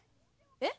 えっ？